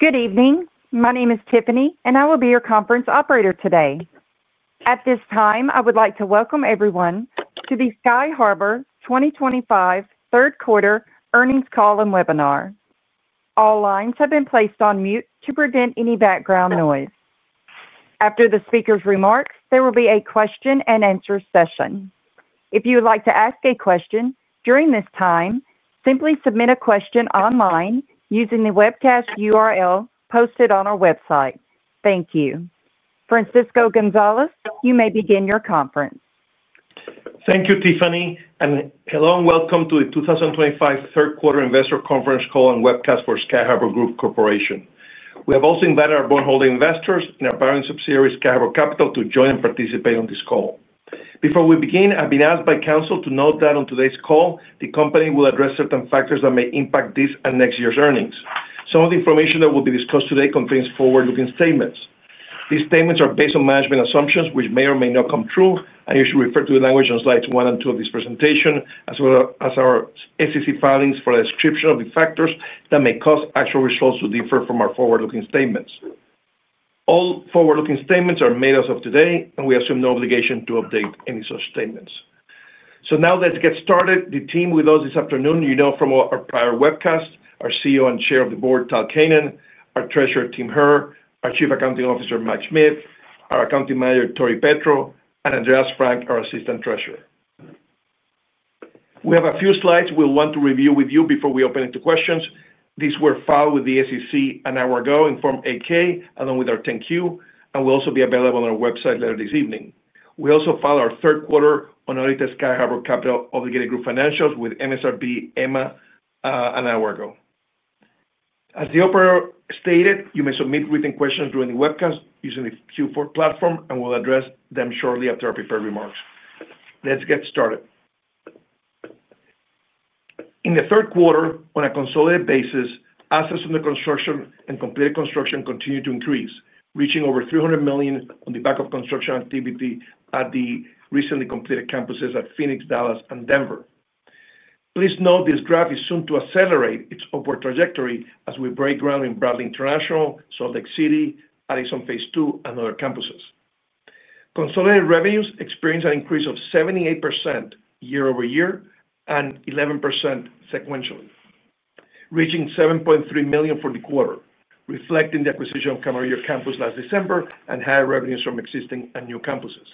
Good evening. My name is Tiffany, and I will be your conference operator today. At this time, I would like to welcome everyone to the Sky Harbour 2025 third quarter earnings call and webinar. All lines have been placed on mute to prevent any background noise. After the speaker's remarks, there will be a question-and-answer session. If you would like to ask a question during this time, simply submit a question online using the webcast URL posted on our website. Thank you. Francisco Gonzalez, you may begin your conference. Thank you, Tiffany, and hello and welcome to the 2025 third quarter investor conference call and webcast for Sky Harbour Group Corporation. We have also invited our board holding investors and our parent subsidiary, Sky Harbour Capital, to join and participate on this call. Before we begin, I've been asked by counsel to note that on today's call, the company will address certain factors that may impact this and next year's earnings. Some of the information that will be discussed today contains forward-looking statements. These statements are based on management assumptions, which may or may not come true, and you should refer to the language on slides one and two of this presentation, as well as our SEC filings for a description of the factors that may cause actual results to differ from our forward-looking statements. All forward-looking statements are made as of today, and we assume no obligation to update any such statements. Now let's get started. The team with us this afternoon, you know from our prior webcast, our CEO and Chair of the Board, Tal Keinan, our Treasurer, Tim Herr, our Chief Accounting Officer, Mike Schmitt, our Accounting Manager, Tori Petro, and Andreas Frank, our Assistant Treasurer. We have a few slides we want to review with you before we open it to questions. These were filed with the SEC an hour ago in Form 8-K, along with our 10-Q, and will also be available on our website later this evening. We also filed our third quarter analytics, Sky Harbour Capital Obligated Group financials with MSRB/EMMA, an hour ago. As the operator stated, you may submit written questions during the webcast using the Q4 platform, and we'll address them shortly after our prepared remarks. Let's get started. In the third quarter, on a consolidated basis, assets under construction and completed construction continue to increase, reaching over $300 million on the back of construction activity at the recently completed campuses at Phoenix, Dallas, and Denver. Please note this graph is soon to accelerate its upward trajectory as we break ground in Bradley International, Salt Lake City, Addison Phase Two, and other campuses. Consolidated revenues experience an increase of 78% year-over-year and 11% sequentially, reaching $7.3 million for the quarter, reflecting the acquisition of Camarillo campus last December and higher revenues from existing and new campuses.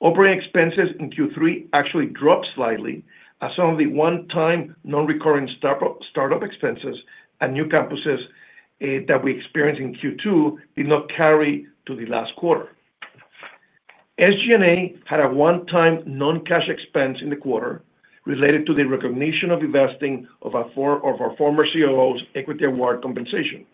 Operating expenses in Q3 actually dropped slightly, as some of the one-time non-recurring startup expenses and new campuses that we experienced in Q2 did not carry to the last quarter. SG&A had a one-time non-cash expense in the quarter related to the recognition of vesting of our former COO's equity award compensation.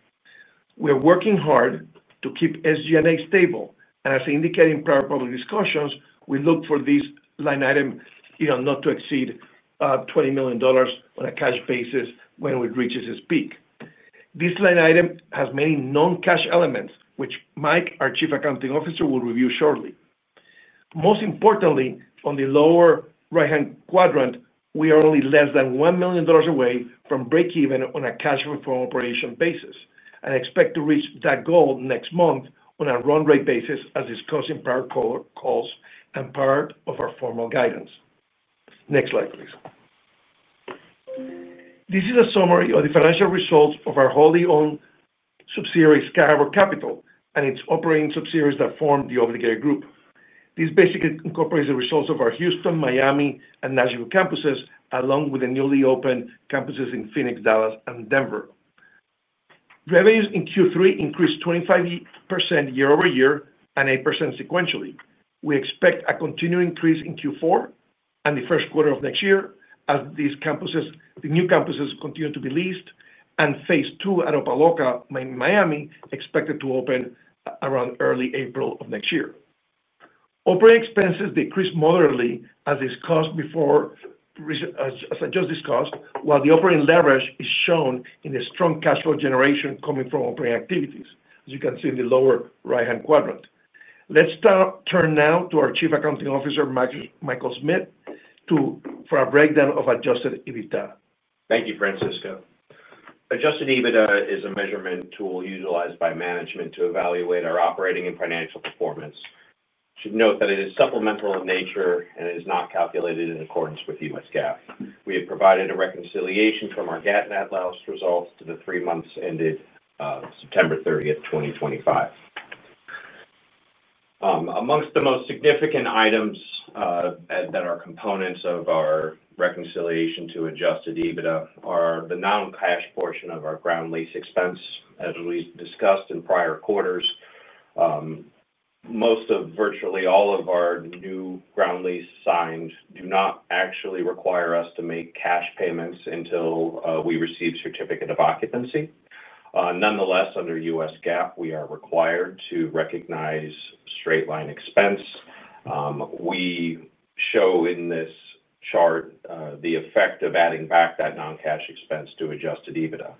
We are working hard to keep SG&A stable, and as indicated in prior public discussions, we look for this line item not to exceed $20 million on a cash basis when it reaches its peak. This line item has many non-cash elements, which Mike, our Chief Accounting Officer, will review shortly. Most importantly, on the lower right-hand quadrant, we are only less than $1 million away from break-even on a cash reform operation basis and expect to reach that goal next month on a run rate basis, as discussed in prior calls and part of our formal guidance. Next slide, please. This is a summary of the financial results of our wholly-owned subsidiary, Sky Harbour Capital, and its operating subsidiaries that form the Obligated Group. This basically incorporates the results of our Houston, Miami, and Nashville campuses, along with the newly opened campuses in Phoenix, Dallas, and Denver. Revenues in Q3 increased 25% year-over-year and 8% sequentially. We expect a continued increase in Q4 and the first quarter of next year, as these new campuses continue to be leased, and phase two at Opa-Locka, Miami, expected to open around early April of next year. Operating expenses decreased moderately, as discussed before, as I just discussed, while the operating leverage is shown in the strong cash flow generation coming from operating activities, as you can see in the lower right-hand quadrant. Let's turn now to our Chief Accounting Officer, Michael Schmitt, for a breakdown of Adjusted EBITDA. Thank you, Francisco. Adjusted EBITDA is a measurement tool utilized by management to evaluate our operating and financial performance. Should note that it is supplemental in nature and is not calculated in accordance with U.S. GAAP. We have provided a reconciliation from our GAAP and ATLAS results to the three months ended September 30th, 2025. Amongst the most significant items that are components of our reconciliation to Adjusted EBITDA are the non-cash portion of our ground lease expense, as we discussed in prior quarters. Most of, virtually all of our new ground lease signs do not actually require us to make cash payments until we receive certificate of occupancy. Nonetheless, under U.S. GAAP, we are required to recognize straight-line expense. We show in this chart the effect of adding back that non-cash expense to Adjusted EBITDA.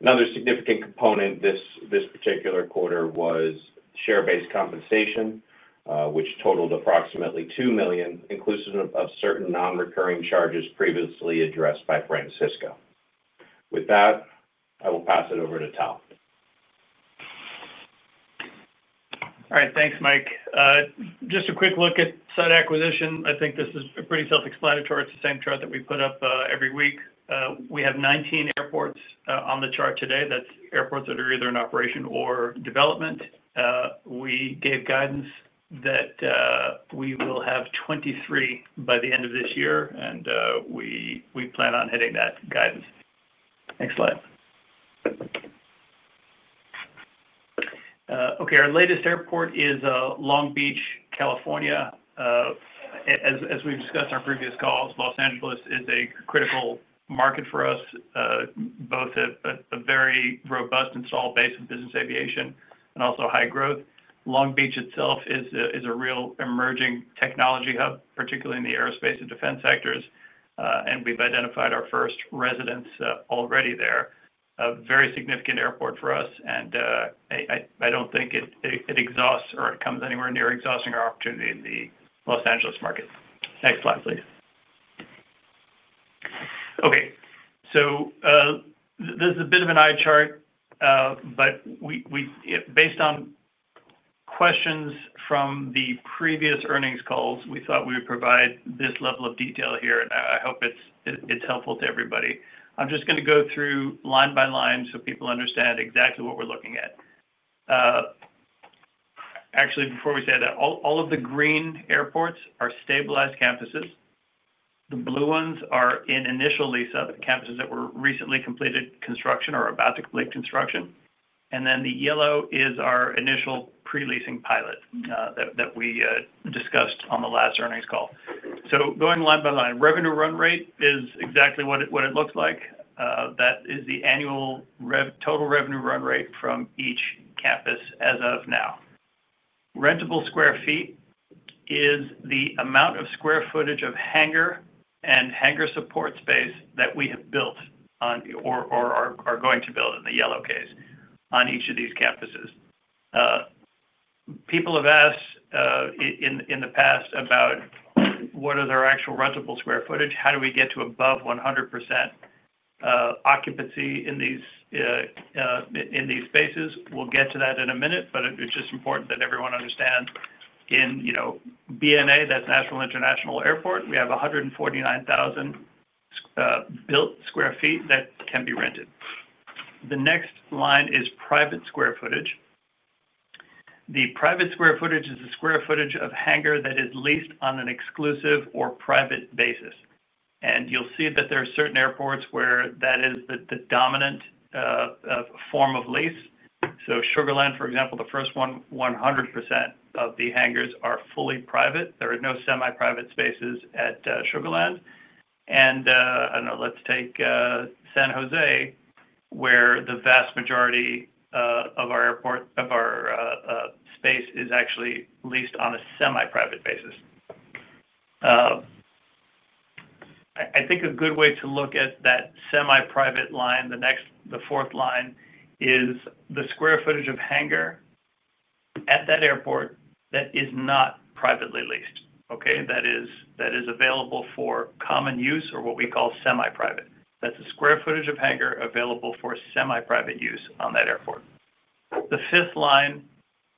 Another significant component this particular quarter was share-based compensation, which totaled approximately $2 million, inclusive of certain non-recurring charges previously addressed by Francisco. With that, I will pass it over to Tal. All right. Thanks, Mike. Just a quick look at site acquisition. I think this is pretty self-explanatory. It is the same chart that we put up every week. We have 19 airports on the chart today. That is airports that are either in operation or development. We gave guidance that we will have 23 by the end of this year, and we plan on hitting that guidance. Next slide. Okay. Our latest airport is Long Beach, California. As we have discussed in our previous calls, Los Angeles is a critical market for us, both a very robust and solid base of business aviation and also high growth. Long Beach itself is a real emerging technology hub, particularly in the aerospace and defense sectors, and we have identified our first residents already there. A very significant airport for us, and I do not think it exhausts or it comes anywhere near exhausting our opportunity in the Los Angeles market. Next slide, please. Okay. This is a bit of an eye chart, but based on questions from the previous earnings calls, we thought we would provide this level of detail here, and I hope it is helpful to everybody. I am just going to go through line by line so people understand exactly what we are looking at. Actually, before we say that, all of the green airports are stabilized campuses. The blue ones are in initial lease, so the campuses that were recently completed construction or are about to complete construction. The yellow is our initial pre-leasing pilot that we discussed on the last earnings call. Going line by line, revenue run rate is exactly what it looks like. That is the annual total revenue run rate from each campus as of now. Rentable square feet is the amount of square footage of hangar and hangar support space that we have built or are going to build in the yellow case on each of these campuses. People have asked in the past about what are their actual rentable square footage. How do we get to above 100% occupancy in these spaces? We'll get to that in a minute, but it's just important that everyone understands in BNA, that's Nashville International Airport, we have 149,000 built sq ft that can be rented. The next line is private square footage. The private square footage is the square footage of hangar that is leased on an exclusive or private basis. And you'll see that there are certain airports where that is the dominant form of lease. Sugar Land, for example, the first one, 100% of the hangars are fully private. There are no semi-private spaces at Sugar Land. Let's take San Jose, where the vast majority of our space is actually leased on a semi-private basis. I think a good way to look at that semi-private line, the fourth line, is the square footage of hangar at that airport that is not privately leased. Okay? That is available for common use or what we call semi-private. That's the square footage of hangar available for semi-private use on that airport. The fifth line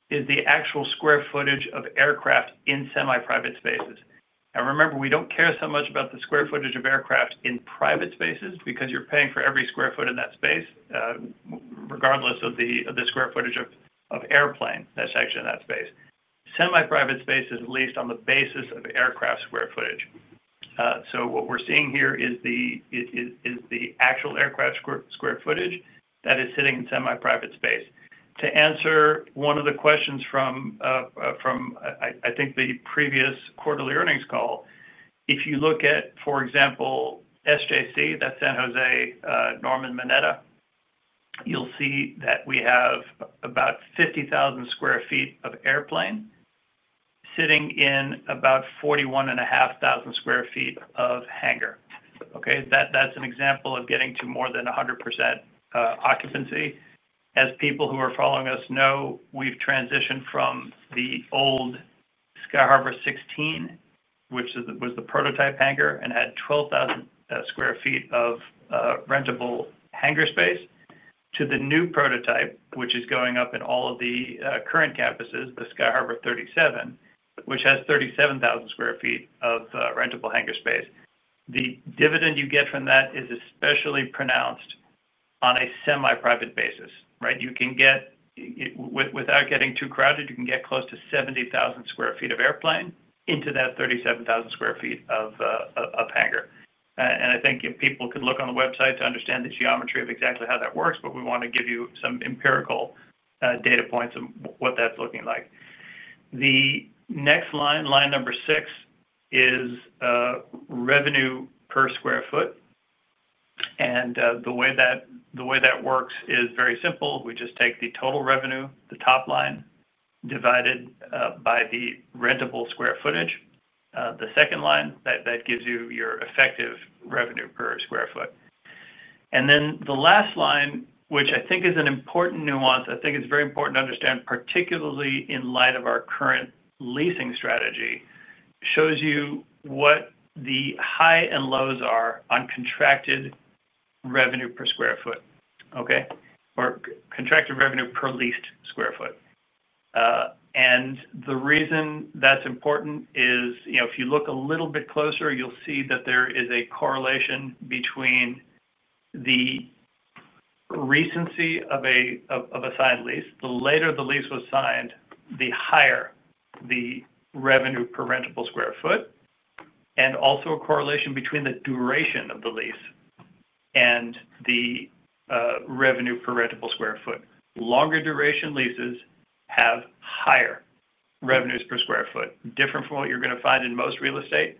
is the actual square footage of aircraft in semi-private spaces. Now, remember, we do not care so much about the square footage of aircraft in private spaces because you are paying for every square foot in that space, regardless of the square footage of airplanes that is actually in that space. Semi-private space is leased on the basis of aircraft square footage. What we are seeing here is the actual aircraft square footage that is sitting in semi-private space. To answer one of the questions from, I think, the previous quarterly earnings call, if you look at, for example, SJC, that is San Jose, Norman Mineta, you will see that we have about 50,000 sq ft of airplane sitting in about 41,500 sq ft of hangar. That is an example of getting to more than 100% occupancy. As people who are following us know, we have transitioned from the old Sky Harbour 16, which was the prototype hangar and had 12,000 sq ft of rentable hangar space, to the new prototype, which is going up in all of the current campuses, the Sky Harbour 37, which has 37,000 sq ft of rentable hangar space. The dividend you get from that is especially pronounced on a semi-private basis. Right? Without getting too crowded, you can get close to 70,000 sq ft of airplane into that 37,000 sq ft of hangar. I think if people could look on the website to understand the geometry of exactly how that works, but we want to give you some empirical data points of what that's looking like. The next line, line number six, is revenue per sq ft. The way that works is very simple. We just take the total revenue, the top line, divided by the rentable sq ft. The second line, that gives you your effective revenue per sq ft. The last line, which I think is an important nuance, I think it's very important to understand, particularly in light of our current leasing strategy, shows you what the high and lows are on contracted revenue per square foot, okay, or contracted revenue per leased square foot. The reason that's important is if you look a little bit closer, you'll see that there is a correlation between the recency of a signed lease. The later the lease was signed, the higher the revenue per rentable square foot, and also a correlation between the duration of the lease and the revenue per rentable square foot. Longer duration leases have higher revenues per square foot, different from what you're going to find in most real estate.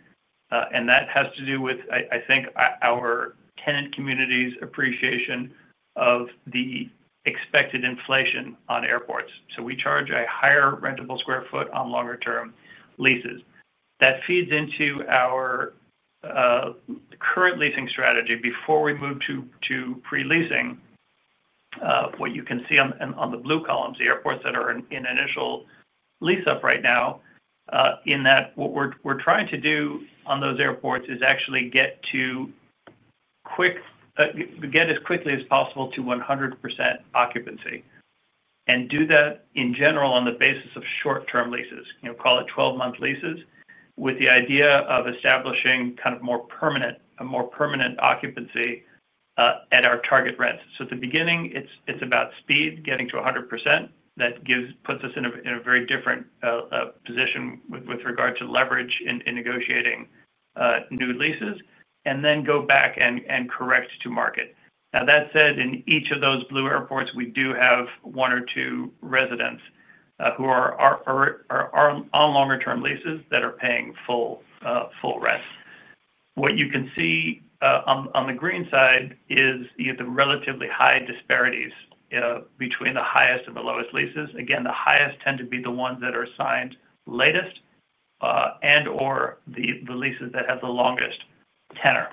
That has to do with, I think, our tenant community's appreciation of the expected inflation on airports. We charge a higher rentable square foot on longer-term leases. That feeds into our current leasing strategy before we move to pre-leasing. What you can see on the blue columns, the airports that are in initial lease up right now, in that what we're trying to do on those airports is actually get as quickly as possible to 100% occupancy and do that in general on the basis of short-term leases, call it 12-month leases, with the idea of establishing kind of a more permanent occupancy at our target rents. At the beginning, it's about speed, getting to 100%. That puts us in a very different position with regard to leverage in negotiating new leases, and then go back and correct to market. Now, that said, in each of those blue airports, we do have one or two residents who are on longer-term leases that are paying full rent. What you can see on the green side is you get the relatively high disparities between the highest and the lowest leases. Again, the highest tend to be the ones that are signed latest and/or the leases that have the longest tenor.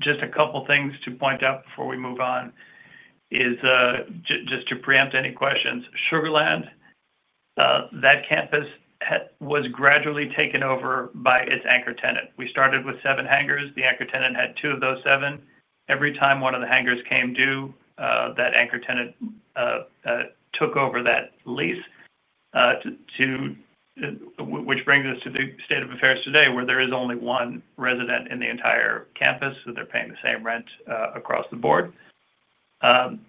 Just a couple of things to point out before we move on is just to preempt any questions. Sugar Land, that campus was gradually taken over by its anchor tenant. We started with seven hangars. The anchor tenant had two of those seven. Every time one of the hangars came due, that anchor tenant took over that lease, which brings us to the state of affairs today where there is only one resident in the entire campus, so they're paying the same rent across the board. The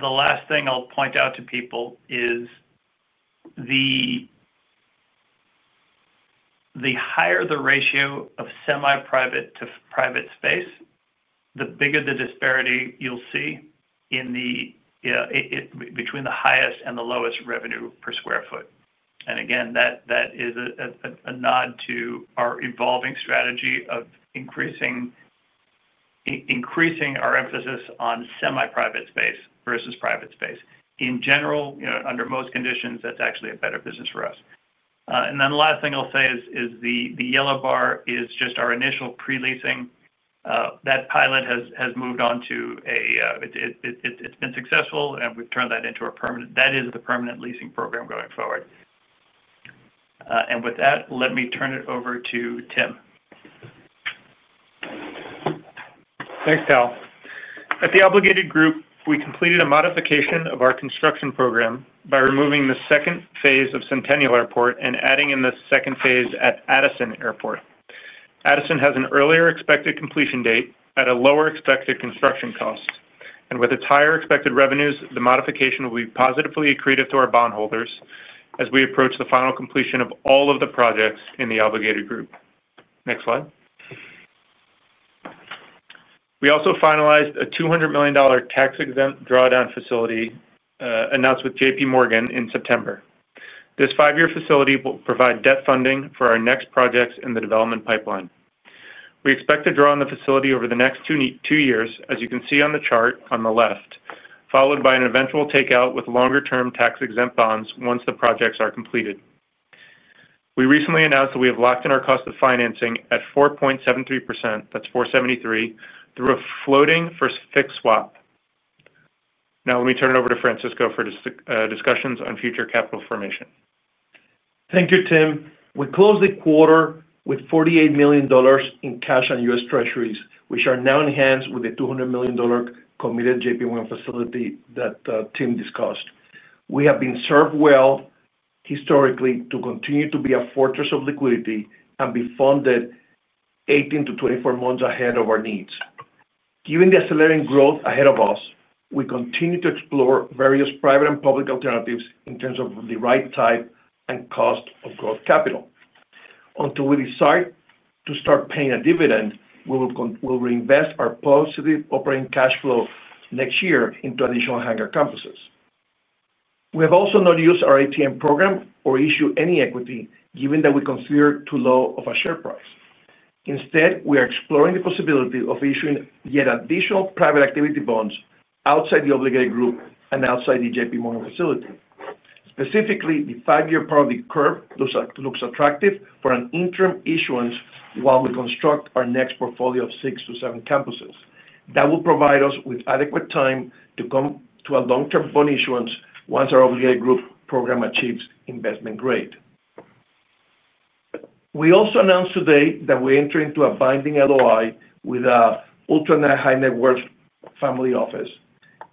last thing I'll point out to people is the higher the ratio of semi-private to private space, the bigger the disparity you'll see between the highest and the lowest revenue per sq ft. That is a nod to our evolving strategy of increasing our emphasis on semi-private space versus private space. In general, under most conditions, that's actually a better business for us. The last thing I'll say is the yellow bar is just our initial pre-leasing. That pilot has moved on to a it's been successful, and we've turned that into a permanent. That is the permanent leasing program going forward. With that, let me turn it over to Tim. Thanks, Tal. At the obligated group, we completed a modification of our construction program by removing the second phase of Centennial Airport and adding in the second phase at Addison Airport. Addison has an earlier expected completion date at a lower expected construction cost. With its higher expected revenues, the modification will be positively accretive to our bondholders as we approach the final completion of all of the projects in the obligated group. Next slide. We also finalized a $200 million tax-exempt drawdown facility announced with J.P. Morgan in September. This five-year facility will provide debt funding for our next projects in the development pipeline. We expect to draw on the facility over the next two years, as you can see on the chart on the left, followed by an eventual takeout with longer-term tax-exempt bonds once the projects are completed. We recently announced that we have locked in our cost of financing at 4.73%, that's 473, through a floating first fixed swap. Now, let me turn it over to Francisco for discussions on future capital formation. Thank you, Tim. We closed the quarter with $48 million in cash on U.S. Treasuries, which are now enhanced with the $200 million committed J.P. Morgan facility that Tim discussed. We have been served well historically to continue to be a fortress of liquidity and be funded 18-24 months ahead of our needs. Given the accelerating growth ahead of us, we continue to explore various private and public alternatives in terms of the right type and cost of growth capital. Until we decide to start paying a dividend, we will reinvest our positive operating cash flow next year into additional hangar campuses. We have also not used our ATM program or issued any equity, given that we consider it too low of a share price. Instead, we are exploring the possibility of issuing yet additional private activity bonds outside the obligated group and outside the J.P. Morgan facility. Specifically, the five-year part of the curve looks attractive for an interim issuance while we construct our next portfolio of six to seven campuses. That will provide us with adequate time to come to a long-term bond issuance once our obligated group program achieves investment grade. We also announced today that we enter into a binding LOI with Ultra High Net Worth Family Office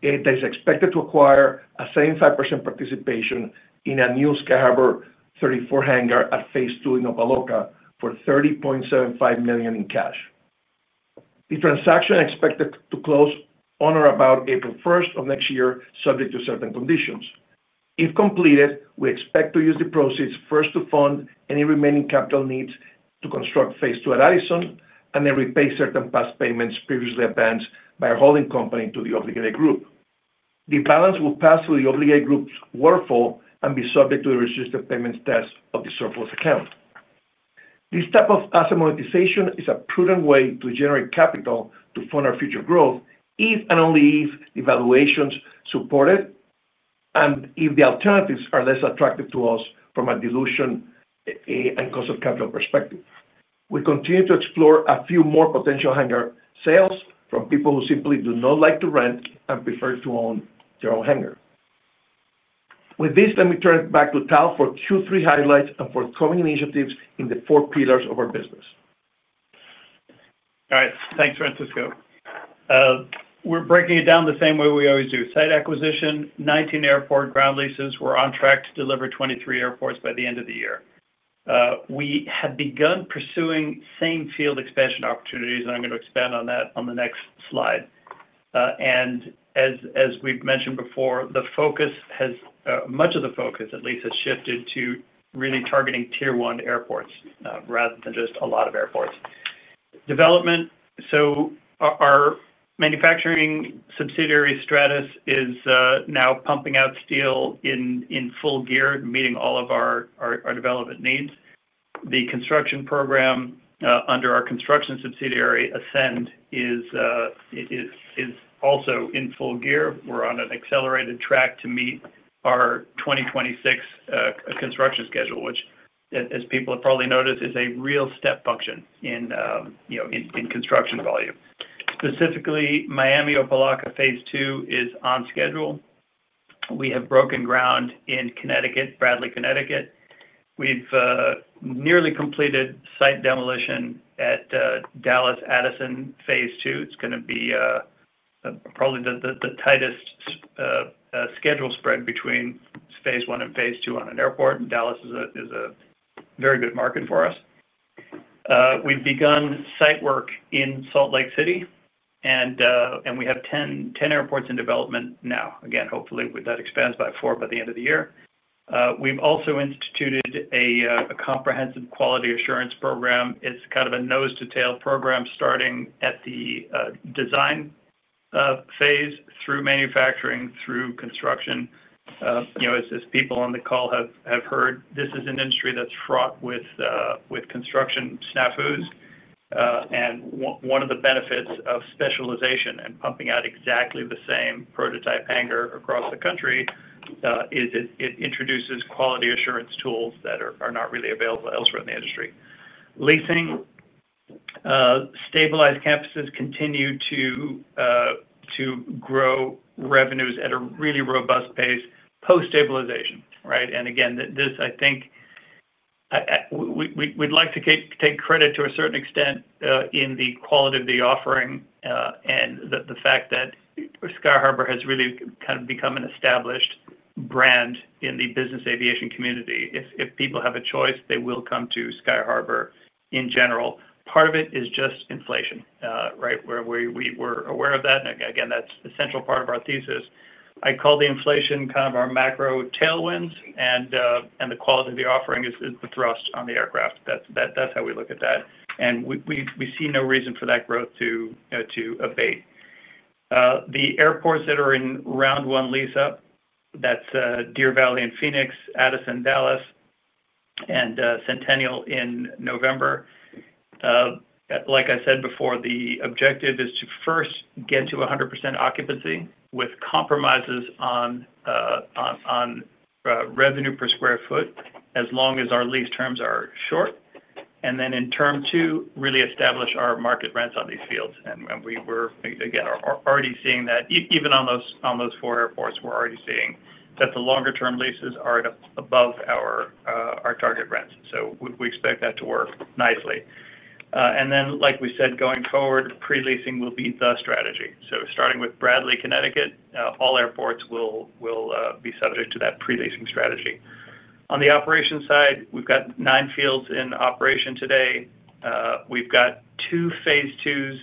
that is expected to acquire a 75% participation in a new Sky Harbour 34 hangar at Phase 2 in Opa-Locka for $30.75 million in cash. The transaction is expected to close on or about April 1st of next year, subject to certain conditions. If completed, we expect to use the proceeds first to fund any remaining capital needs to construct Phase 2 at Addison and then repay certain past payments previously advanced by our holding company to the obligated group. The balance will pass through the obligated group's waterfall and be subject to the resistive payments test of the surplus account. This type of asset monetization is a prudent way to generate capital to fund our future growth if and only if the valuations support it and if the alternatives are less attractive to us from a dilution and cost of capital perspective. We continue to explore a few more potential hangar sales from people who simply do not like to rent and prefer to own their own hangar. With this, let me turn it back to Tal for two or three highlights and forthcoming initiatives in the four pillars of our business. All right. Thanks, Francisco. We're breaking it down the same way we always do. Site acquisition, 19 airport ground leases. We're on track to deliver 23 airports by the end of the year. We have begun pursuing same field expansion opportunities, and I'm going to expand on that on the next slide. As we've mentioned before, much of the focus, at least, has shifted to really targeting tier-one airports rather than just a lot of airports. Development. Our manufacturing subsidiary Stratus is now pumping out steel in full gear, meeting all of our development needs. The construction program under our construction subsidiary, Ascend, is also in full gear. We're on an accelerated track to meet our 2026 construction schedule, which, as people have probably noticed, is a real step function in construction volume. Specifically, Miami Opa-Locka Phase 2 is on schedule. We have broken ground in Connecticut, Bradley, Connecticut. We've nearly completed site demolition at Dallas Addison Phase 2. It's going to be probably the tightest schedule spread between Phase 1 and Phase 2 on an airport. Dallas is a very good market for us. We've begun site work in Salt Lake City, and we have 10 airports in development now. Again, hopefully, that expands by four by the end of the year. We've also instituted a comprehensive quality assurance program. It's kind of a nose-to-tail program starting at the design phase through manufacturing, through construction. As people on the call have heard, this is an industry that's fraught with construction snafus. One of the benefits of specialization and pumping out exactly the same prototype hangar across the country is it introduces quality assurance tools that are not really available elsewhere in the industry. Leasing, stabilized campuses continue to grow revenues at a really robust pace post-stabilization. Right? Again, this, I think, we'd like to take credit to a certain extent in the quality of the offering and the fact that Sky Harbour has really kind of become an established brand in the business aviation community. If people have a choice, they will come to Sky Harbour in general. Part of it is just inflation, right, where we're aware of that. Again, that's the central part of our thesis. I call the inflation kind of our macro tailwinds, and the quality of the offering is the thrust on the aircraft. That's how we look at that. We see no reason for that growth to abate. The airports that are in round one lease up, that's Deer Valley in Phoenix, Addison, Dallas, and Centennial in November. Like I said before, the objective is to first get to 100% occupancy with compromises on revenue per square foot as long as our lease terms are short. In term two, really establish our market rents on these fields. We were, again, already seeing that. Even on those four airports, we're already seeing that the longer-term leases are above our target rents. We expect that to work nicely. Like we said, going forward, pre-leasing will be the strategy. Starting with Bradley, Connecticut, all airports will be subject to that pre-leasing strategy. On the operation side, we've got nine fields in operation today. We've got two phase 2s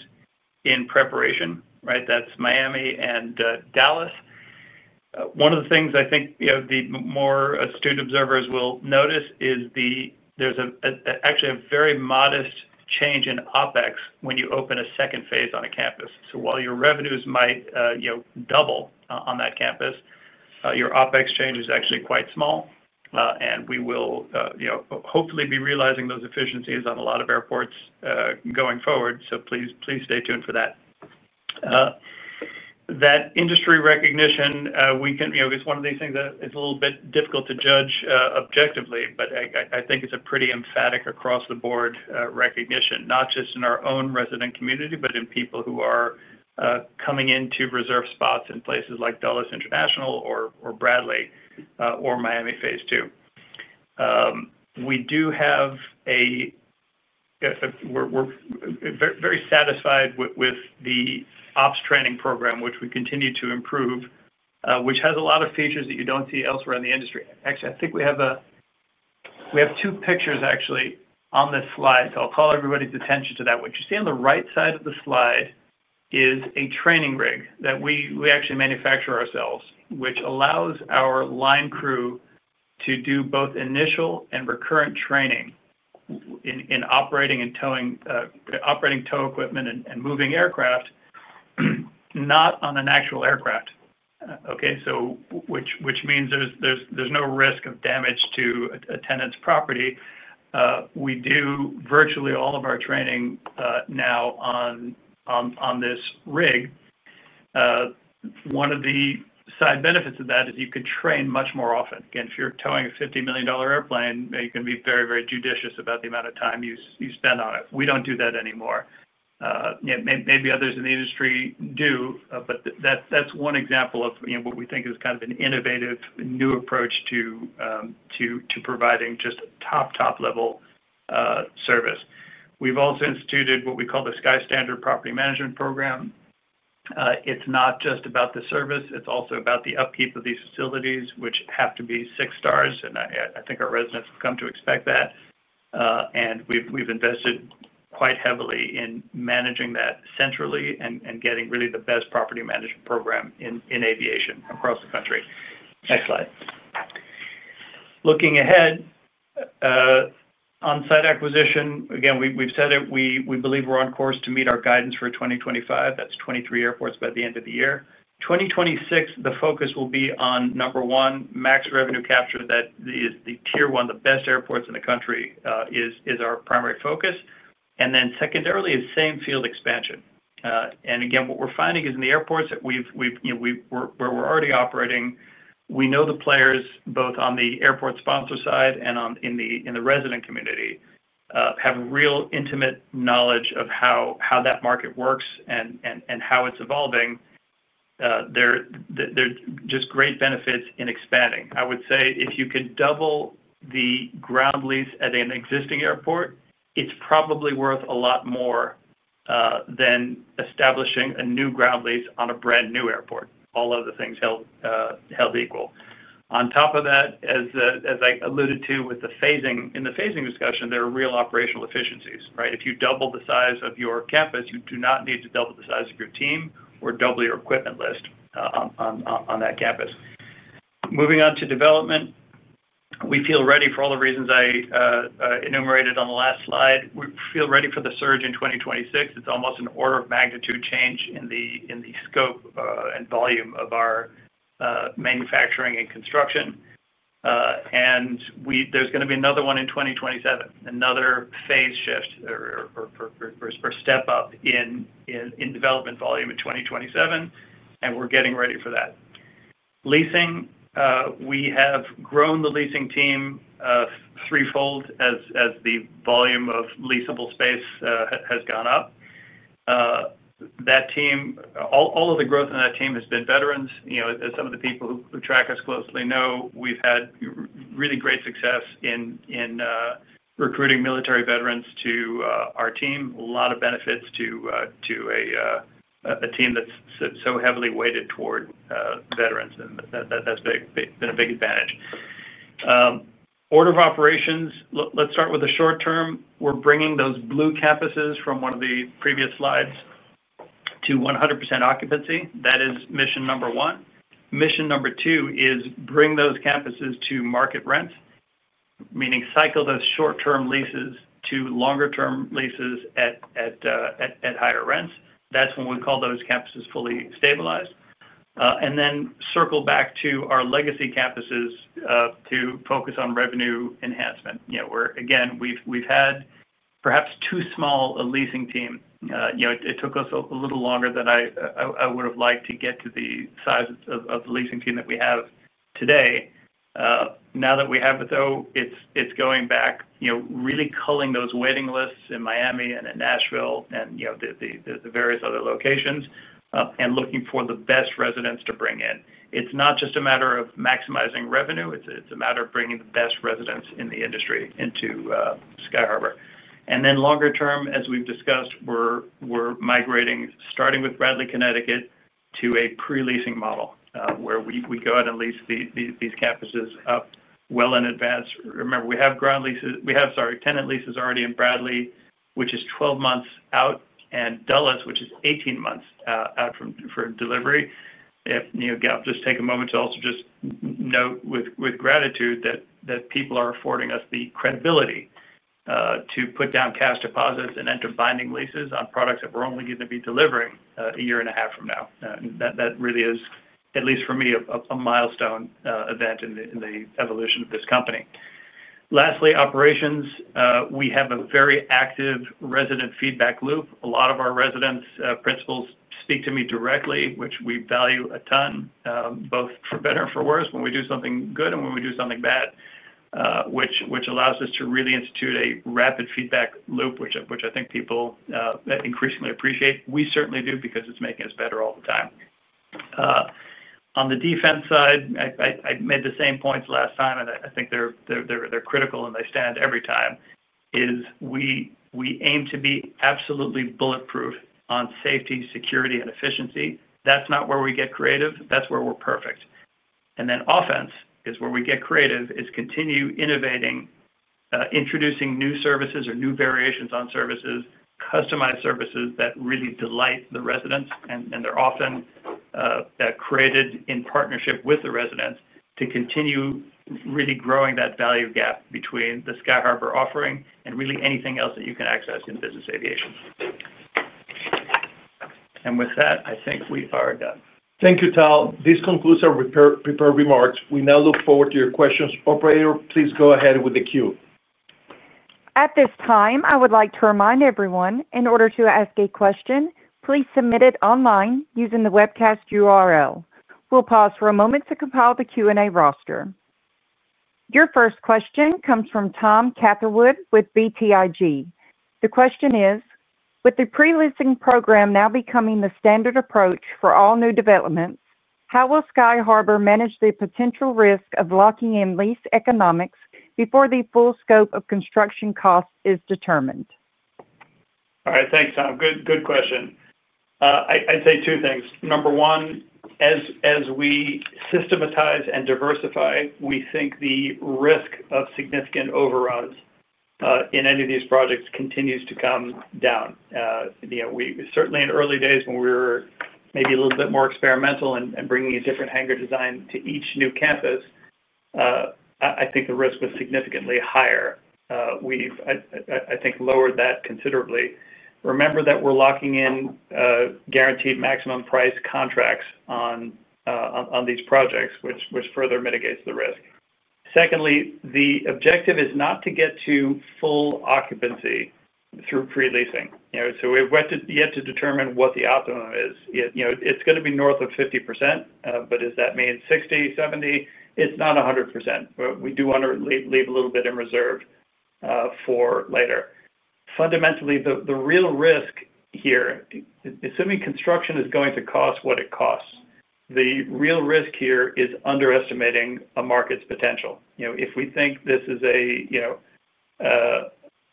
in preparation. That is Miami and Dallas. One of the things I think the more astute observers will notice is there's actually a very modest change in OPEX when you open a second phase on a campus. While your revenues might double on that campus, your OPEX change is actually quite small. We will hopefully be realizing those efficiencies on a lot of airports going forward. Please stay tuned for that. That industry recognition, it's one of these things that is a little bit difficult to judge objectively, but I think it's a pretty emphatic across-the-board recognition, not just in our own resident community, but in people who are coming in to reserve spots in places like Dulles International or Bradley or Miami Phase 2. We do have a very satisfied with the ops training program, which we continue to improve, which has a lot of features that you don't see elsewhere in the industry. Actually, I think we have two pictures, actually, on this slide. I will call everybody's attention to that. What you see on the right side of the slide is a training rig that we actually manufacture ourselves, which allows our line crew to do both initial and recurrent training in operating and towing operating tow equipment and moving aircraft, not on an actual aircraft, okay, which means there is no risk of damage to a tenant's property. We do virtually all of our training now on this rig. One of the side benefits of that is you could train much more often. Again, if you are towing a $50 million airplane, you can be very, very judicious about the amount of time you spend on it. We do not do that anymore. Maybe others in the industry do, but that's one example of what we think is kind of an innovative new approach to providing just top, top-level service. We've also instituted what we call the Sky Standard Property Management Program. It's not just about the service. It's also about the upkeep of these facilities, which have to be six stars. I think our residents have come to expect that. We've invested quite heavily in managing that centrally and getting really the best property management program in aviation across the country. Next slide. Looking ahead on site acquisition, again, we've said it. We believe we're on course to meet our guidance for 2025. That's 23 airports by the end of the year. 2026, the focus will be on, number one, max revenue capture that is the tier one, the best airports in the country is our primary focus. Secondarily is same field expansion. Again, what we're finding is in the airports that we're already operating, we know the players both on the airport sponsor side and in the resident community have real intimate knowledge of how that market works and how it's evolving. There are just great benefits in expanding. I would say if you could double the ground lease at an existing airport, it's probably worth a lot more than establishing a new ground lease on a brand new airport, all other things held equal. On top of that, as I alluded to in the phasing discussion, there are real operational efficiencies. Right? If you double the size of your campus, you do not need to double the size of your team or double your equipment list on that campus. Moving on to development, we feel ready for all the reasons I enumerated on the last slide. We feel ready for the surge in 2026. It's almost an order of magnitude change in the scope and volume of our manufacturing and construction. There is going to be another one in 2027, another phase shift or step up in development volume in 2027. We are getting ready for that. Leasing, we have grown the leasing team threefold as the volume of leasable space has gone up. That team, all of the growth in that team has been veterans. As some of the people who track us closely know, we've had really great success in recruiting military veterans to our team. A lot of benefits to a team that's so heavily weighted toward veterans. That has been a big advantage. Order of operations, let's start with the short term. We're bringing those blue campuses from one of the previous slides to 100% occupancy. That is mission number one. Mission number two is bring those campuses to market rents, meaning cycle those short-term leases to longer-term leases at higher rents. That is when we call those campuses fully stabilized. Then circle back to our legacy campuses to focus on revenue enhancement. Again, we've had perhaps too small a leasing team. It took us a little longer than I would have liked to get to the size of the leasing team that we have today. Now that we have it, though, it is going back, really culling those waiting lists in Miami and in Nashville and the various other locations and looking for the best residents to bring in. It is not just a matter of maximizing revenue. It is a matter of bringing the best residents in the industry into Sky Harbour. Longer term, as we've discussed, we're migrating, starting with Bradley, Connecticut, to a pre-leasing model where we go out and lease these campuses up well in advance. Remember, we have ground leases, we have, sorry, tenant leases already in Bradley, which is 12 months out, and Dulles, which is 18 months out for delivery. Just take a moment to also just note with gratitude that people are affording us the credibility to put down cash deposits and enter binding leases on products that we're only going to be delivering a year and a half from now. That really is, at least for me, a milestone event in the evolution of this company. Lastly, operations, we have a very active resident feedback loop. A lot of our residents' principals speak to me directly, which we value a ton, both for better and for worse, when we do something good and when we do something bad, which allows us to really institute a rapid feedback loop, which I think people increasingly appreciate. We certainly do because it's making us better all the time. On the defense side, I made the same points last time, and I think they're critical, and they stand every time, is we aim to be absolutely bulletproof on safety, security, and efficiency. That's not where we get creative. That's where we're perfect. Offense is where we get creative, is continue innovating, introducing new services or new variations on services, customized services that really delight the residents. They are often created in partnership with the residents to continue really growing that value gap between the Sky Harbour offering and really anything else that you can access in business aviation. With that, I think we are done. Thank you, Tal. This concludes our prepared remarks. We now look forward to your questions. Operator, please go ahead with the queue. At this time, I would like to remind everyone, in order to ask a question, please submit it online using the webcast URL. We'll pause for a moment to compile the Q&A roster. Your first question comes from Tom Catherwood with BTIG. The question is, with the pre-leasing program now becoming the standard approach for all new developments, how will Sky Harbour manage the potential risk of locking in lease economics before the full scope of construction costs is determined? All right. Thanks, Tom. Good question. I'd say two things. Number one, as we systematize and diversify, we think the risk of significant overruns in any of these projects continues to come down. Certainly, in early days, when we were maybe a little bit more experimental and bringing a different hangar design to each new campus, I think the risk was significantly higher. We've, I think, lowered that considerably. Remember that we're locking in guaranteed maximum price contracts on these projects, which further mitigates the risk. Secondly, the objective is not to get to full occupancy through pre-leasing. So we have yet to determine what the optimum is. It's going to be north of 50%, but does that mean 60, 70? It's not 100%. We do want to leave a little bit in reserve for later. Fundamentally, the real risk here, assuming construction is going to cost what it costs, the real risk here is underestimating a market's potential. If we think this is a $50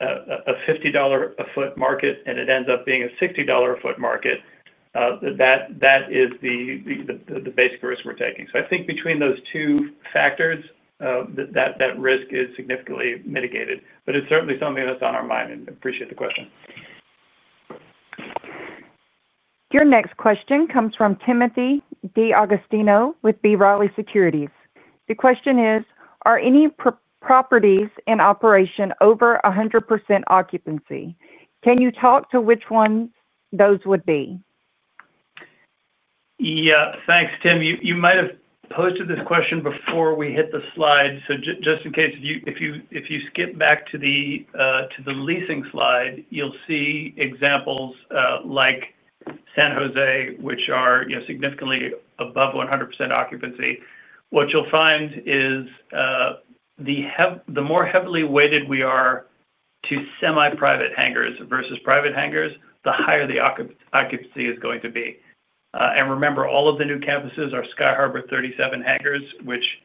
a sq ft market and it ends up being a $60 a sq ft market, that is the basic risk we're taking. I think between those two factors, that risk is significantly mitigated. It is certainly something that's on our mind. I appreciate the question. Your next question comes from Timothy D'Agostino with B. Riley Securities. The question is, are any properties in operation over 100% occupancy? Can you talk to which ones those would be? Yeah. Thanks, Tim. You might have posted this question before we hit the slide. Just in case, if you skip back to the leasing slide, you'll see examples like San Jose, which are significantly above 100% occupancy. What you'll find is the more heavily weighted we are to semi-private hangars versus private hangars, the higher the occupancy is going to be. Remember, all of the new campuses are Sky Harbour 37 hangars, which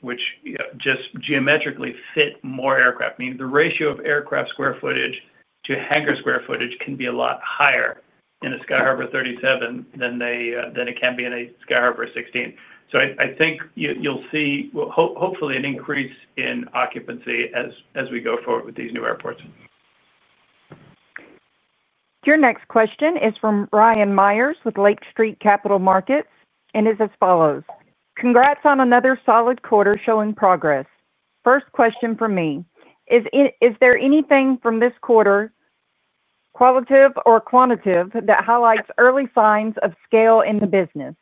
just geometrically fit more aircraft. Meaning the ratio of aircraft square footage to hangar square footage can be a lot higher in a Sky Harbour 37 than it can be in a Sky Harbour 16. I think you'll see, hopefully, an increase in occupancy as we go forward with these new airports. Your next question is from Ryan Meyers with Lake Street Capital Markets and is as follows. Congrats on another solid quarter showing progress. First question for me, is there anything from this quarter, qualitative or quantitative, that highlights early signs of scale in the business?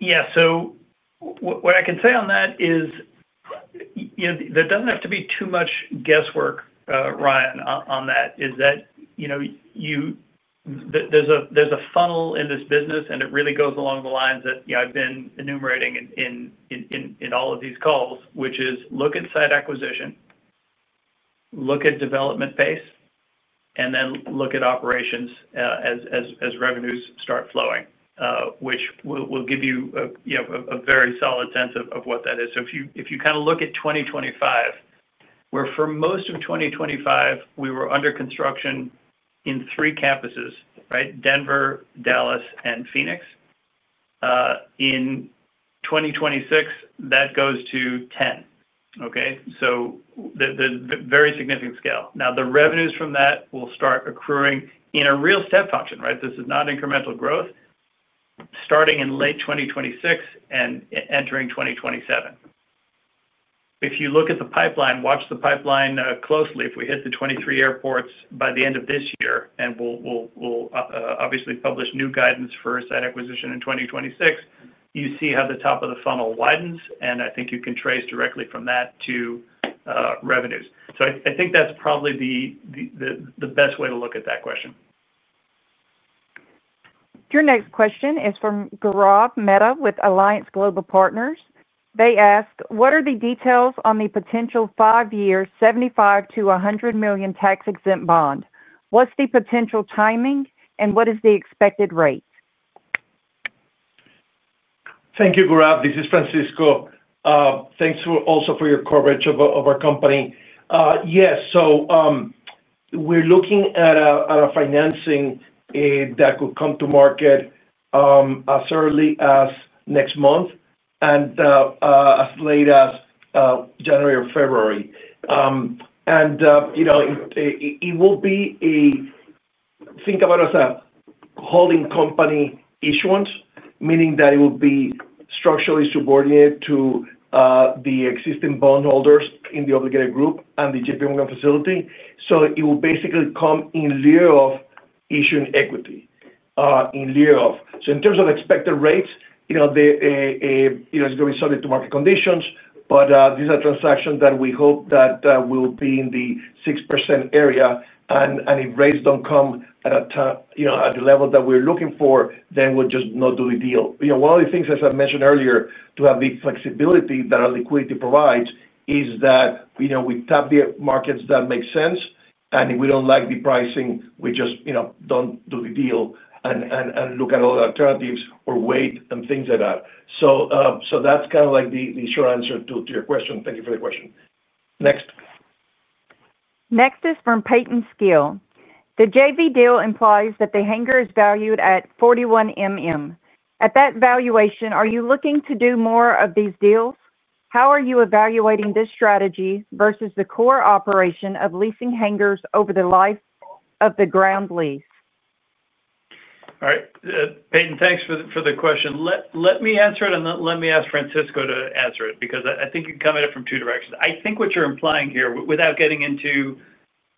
Yeah. So what I can say on that is there doesn't have to be too much guesswork, Ryan, on that, is that there's a funnel in this business, and it really goes along the lines that I've been enumerating in all of these calls, which is look at site acquisition, look at development base, and then look at operations as revenues start flowing, which will give you a very solid sense of what that is. If you kind of look at 2025, where for most of 2025, we were under construction in three campuses, right, Denver, Dallas, and Phoenix. In 2026, that goes to 10, okay? So the very significant scale. Now, the revenues from that will start accruing in a real step function, right? This is not incremental growth, starting in late 2026 and entering 2027. If you look at the pipeline, watch the pipeline closely. If we hit the 23 airports by the end of this year, and we'll obviously publish new guidance for site acquisition in 2026, you see how the top of the funnel widens, and I think you can trace directly from that to revenues. I think that's probably the best way to look at that question. Your next question is from Gaurav Mehta with Alliance Global Partners. They ask, what are the details on the potential five-year $75 million-$100 million tax-exempt bond? What's the potential timing, and what is the expected rate? Thank you, Gaurav. This is Francisco. Thanks also for your coverage of our company. Yes. We are looking at a financing that could come to market as early as next month and as late as January or February. It will be, think about it as a holding company issuance, meaning that it will be structurally subordinate to the existing bondholders in the obligated group and the J.P. Morgan facility. It will basically come in lieu of issuing equity, in lieu of. In terms of expected rates, it is going to be subject to market conditions, but these are transactions that we hope will be in the 6% area. If rates do not come at the level that we are looking for, then we will just not do the deal. One of the things, as I mentioned earlier, to have the flexibility that our liquidity provides is that we tap the markets that make sense, and if we do not like the pricing, we just do not do the deal and look at other alternatives or wait and things like that. That is kind of like the short answer to your question. Thank you for the question. Next. Next is from Peyton Skill. The JV deal implies that the hangar is valued at $41 million. At that valuation, are you looking to do more of these deals? How are you evaluating this strategy versus the core operation of leasing hangars over the life of the ground lease? All right. Peyton, thanks for the question. Let me answer it, and let me ask Francisco to answer it because I think you're coming at it from two directions. I think what you're implying here, without getting into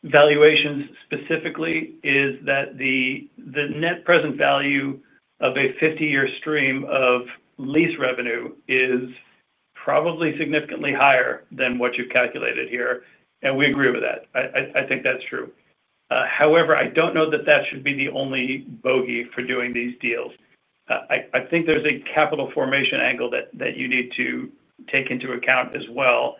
valuations specifically, is that the net present value of a 50-year stream of lease revenue is probably significantly higher than what you've calculated here. And we agree with that. I think that's true. However, I don't know that that should be the only bogey for doing these deals. I think there's a capital formation angle that you need to take into account as well.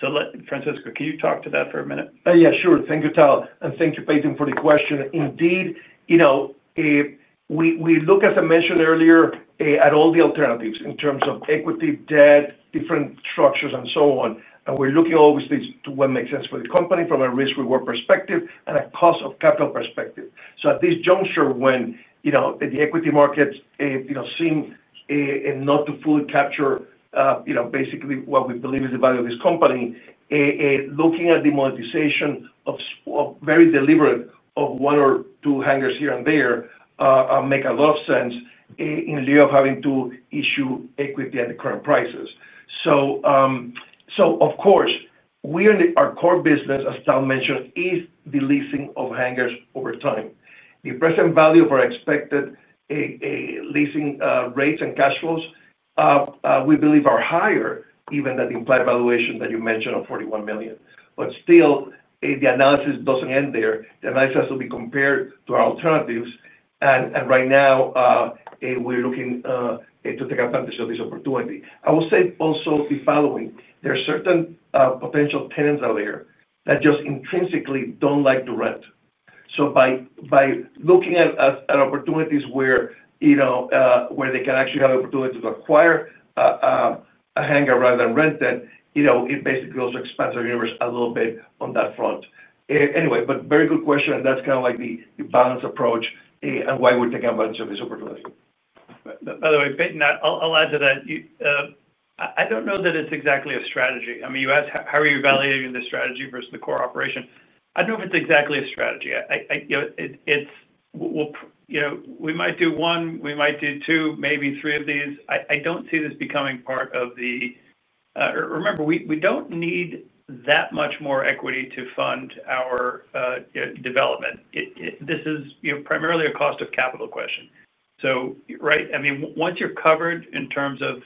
So Francisco, can you talk to that for a minute? Yeah, sure. Thank you, Tal. And thank you, Peyton, for the question. Indeed, we look, as I mentioned earlier, at all the alternatives in terms of equity, debt, different structures, and so on. We're looking always to what makes sense for the company from a risk-reward perspective and a cost-of-capital perspective. At this juncture, when the equity markets seem not to fully capture basically what we believe is the value of this company, looking at the monetization of very deliberate of one or two hangars here and there makes a lot of sense in lieu of having to issue equity at the current prices. Of course, our core business, as Tal mentioned, is the leasing of hangars over time. The present value of our expected leasing rates and cash flows, we believe, are higher, even that implied valuation that you mentioned of $41 million. Still, the analysis does not end there. The analysis has to be compared to our alternatives. Right now, we're looking to take advantage of this opportunity. I will say also the following. There are certain potential tenants out there that just intrinsically do not like to rent. By looking at opportunities where they can actually have the opportunity to acquire a hangar rather than rent it, it basically also expands our universe a little bit on that front. Anyway, very good question. That is kind of like the balanced approach and why we are taking advantage of this opportunity. By the way, Peyton, I'll add to that. I don't know that it's exactly a strategy. I mean, you asked, how are you evaluating the strategy versus the core operation? I don't know if it's exactly a strategy. We might do one, we might do two, maybe three of these. I don't see this becoming part of the remember, we don't need that much more equity to fund our development. This is primarily a cost-of-capital question. Right? I mean, once you're covered in terms of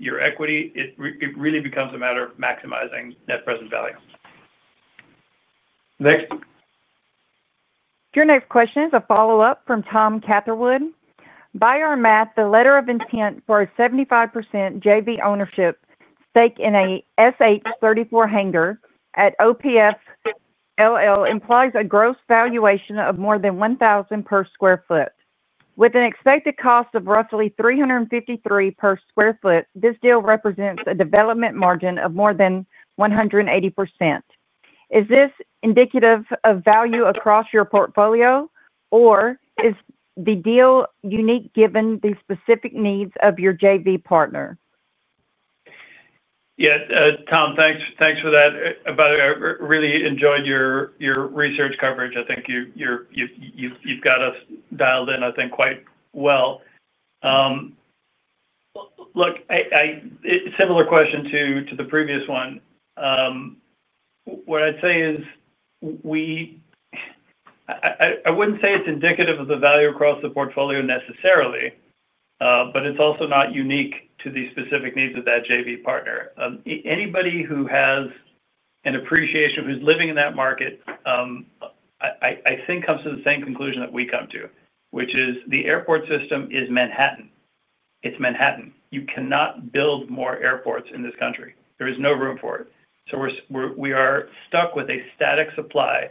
your equity, it really becomes a matter of maximizing net present value. Next. Your next question is a follow-up from Tom Catherwood. By our math, the letter of intent for a 75% JV ownership stake in a Sky Harbour 34 hangar at Opa-Locka implies a gross valuation of more than $1,000 per sq ft. With an expected cost of roughly $353 per sq ft, this deal represents a development margin of more than 180%. Is this indicative of value across your portfolio, or is the deal unique given the specific needs of your JV partner? Yeah. Tom, thanks for that. By the way, I really enjoyed your research coverage. I think you've got us dialed in, I think, quite well. Look, similar question to the previous one. What I'd say is I wouldn't say it's indicative of the value across the portfolio necessarily, but it's also not unique to the specific needs of that JV partner. Anybody who has an appreciation, who's living in that market, I think comes to the same conclusion that we come to, which is the airport system is Manhattan. It's Manhattan. You cannot build more airports in this country. There is no room for it. We are stuck with a static supply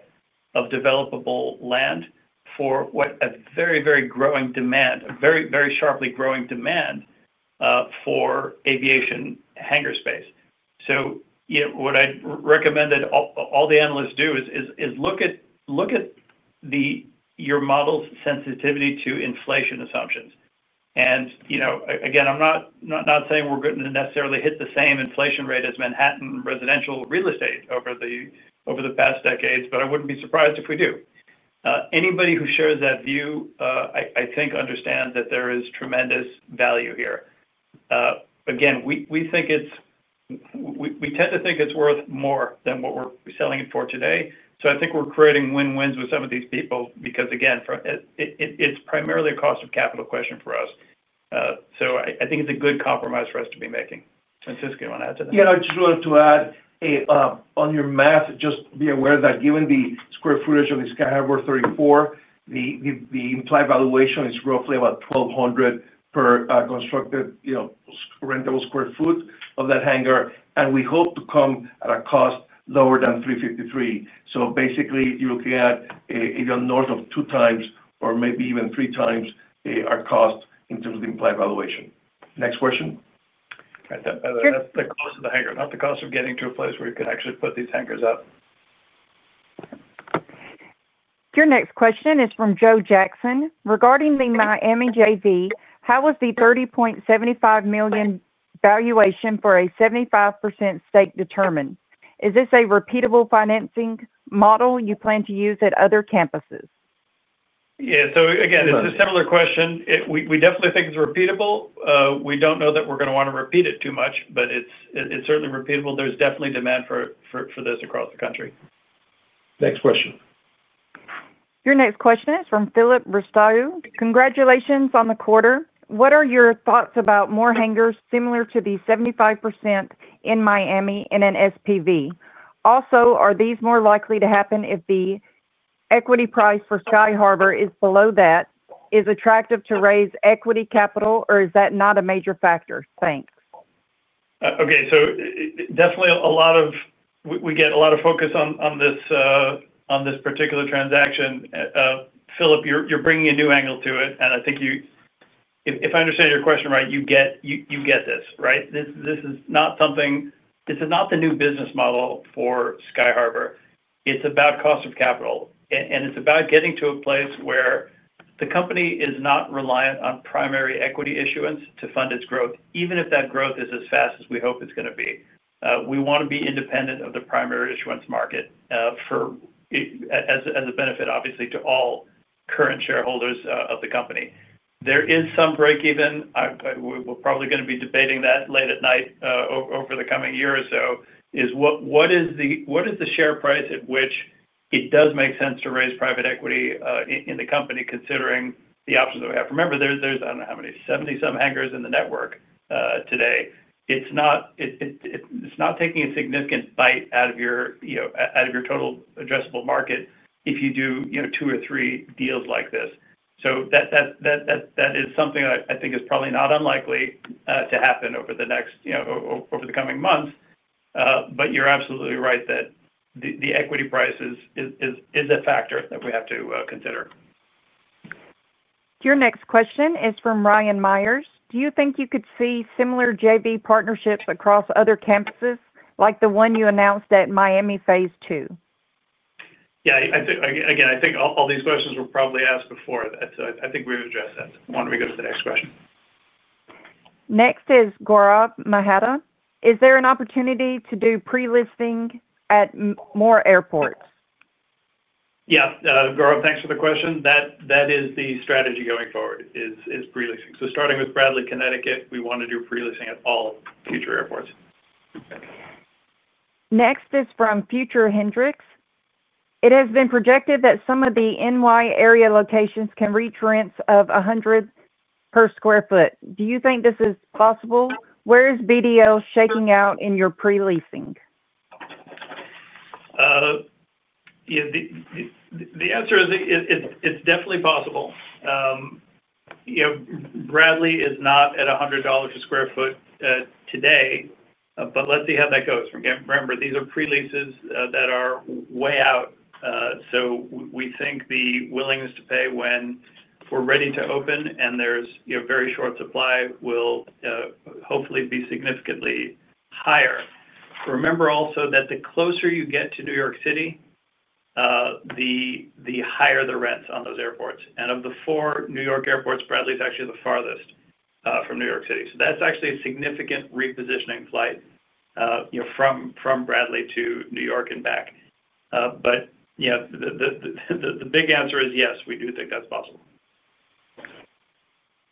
of developable land for a very, very growing demand, a very, very sharply growing demand for aviation hangar space. What I'd recommend that all the analysts do is look at your model's sensitivity to inflation assumptions. Again, I'm not saying we're going to necessarily hit the same inflation rate as Manhattan residential real estate over the past decades, but I wouldn't be surprised if we do. Anybody who shares that view, I think, understands that there is tremendous value here. Again, we tend to think it's worth more than what we're selling it for today. I think we're creating win-wins with some of these people because, again, it's primarily a cost-of-capital question for us. I think it's a good compromise for us to be making. Francisco, you want to add to that? Yeah. I just wanted to add, on your math, just be aware that given the square footage of the Sky Harbour 34, the implied valuation is roughly about $1,200 per constructed rentable sq ft of that hangar. We hope to come at a cost lower than $353. Basically, you're looking at north of two times or maybe even three times our cost in terms of the implied valuation. Next question. That's the cost of the hangar, not the cost of getting to a place where you can actually put these hangars up. Your next question is from Joe Jackson. Regarding the Miami JV, how was the $30.75 million valuation for a 75% stake determined? Is this a repeatable financing model you plan to use at other campuses? Yeah. Again, this is a similar question. We definitely think it's repeatable. We don't know that we're going to want to repeat it too much, but it's certainly repeatable. There's definitely demand for this across the country. Next question. Your next question is from Philip Ristow. Congratulations on the quarter. What are your thoughts about more hangars similar to the 75% in Miami in an SPV? Also, are these more likely to happen if the equity price for Sky Harbour is below that? Is it attractive to raise equity capital, or is that not a major factor? Thanks. Okay. So definitely a lot of we get a lot of focus on this particular transaction. Philip, you're bringing a new angle to it. I think if I understand your question right, you get this, right? This is not something this is not the new business model for Sky Harbour. It's about cost of capital. It's about getting to a place where the company is not reliant on primary equity issuance to fund its growth, even if that growth is as fast as we hope it's going to be. We want to be independent of the primary issuance market as a benefit, obviously, to all current shareholders of the company. There is some breakeven. We're probably going to be debating that late at night over the coming year or so. What is the share price at which it does make sense to raise private equity in the company, considering the options that we have? Remember, there's I don't know how many, 70-some hangars in the network today. It's not taking a significant bite out of your total addressable market if you do two or three deals like this. That is something that I think is probably not unlikely to happen over the coming months. You're absolutely right that the equity price is a factor that we have to consider. Your next question is from Ryan Meyers. Do you think you could see similar JV partnerships across other campuses like the one you announced at Miami Phase 2? Yeah. Again, I think all these questions were probably asked before. I think we've addressed that. Why don't we go to the next question? Next is Gerard Mehta. Is there an opportunity to do pre-leasing at more airports? Yeah. Gerard, thanks for the question. That is the strategy going forward is pre-leasing. Starting with Bradley, Connecticut, we want to do pre-leasing at all future airports. Next is from Future Hendrix. It has been projected that some of the N.Y. area locations can reach rents of $100 per sq ft. Do you think this is possible? Where is BDL shaking out in your pre-leasing? The answer is it's definitely possible. Bradley is not at $100 a sq ft today, but let's see how that goes. Remember, these are pre-leases that are way out. We think the willingness to pay when we're ready to open and there's very short supply will hopefully be significantly higher. Remember also that the closer you get to New York City, the higher the rents on those airports. Of the four New York airports, Bradley is actually the farthest from New York City. That's actually a significant repositioning flight from Bradley to New York and back. The big answer is yes, we do think that's possible.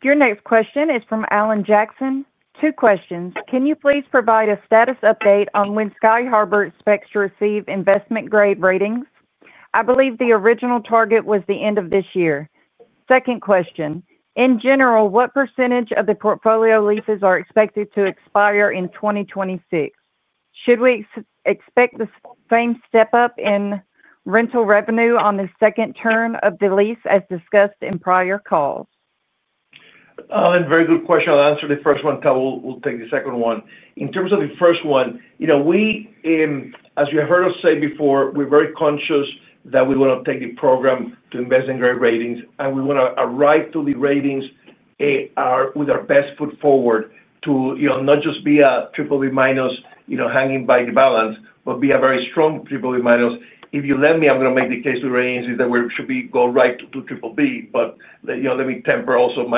Your next question is from Alan Jackson. Two questions. Can you please provide a status update on when Sky Harbour expects to receive investment-grade ratings? I believe the original target was the end of this year. Second question. In general, what percentage of the portfolio leases are expected to expire in 2026? Should we expect the same step-up in rental revenue on the second term of the lease as discussed in prior calls? Very good question. I'll answer the first one. Tal will take the second one. In terms of the first one, as you heard us say before, we're very conscious that we want to take the program to investment-grade ratings. We want to arrive to the ratings with our best foot forward to not just be a triple B minus hanging by the balance, but be a very strong triple B minus. If you let me, I'm going to make the case with Ryan that we should go right to triple B, but let me temper also